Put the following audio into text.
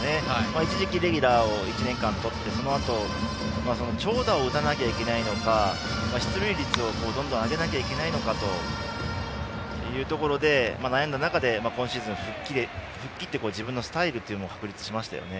一時期レギュラーを１年間とってそのあと長打を打たなければいけないのか出塁率を上げなければいけないのか、というところで悩んだ中で今シーズン復帰して自分のスタイルを確立しましたね。